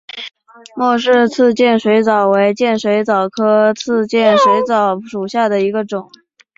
莫氏刺剑水蚤为剑水蚤科刺剑水蚤属下的一个种。